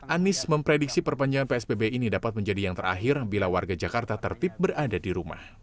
anies memprediksi perpanjangan psbb ini dapat menjadi yang terakhir bila warga jakarta tertib berada di rumah